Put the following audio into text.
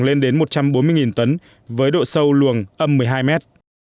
lên đến một trăm bốn mươi tấn với độ sâu luồng âm một mươi hai mét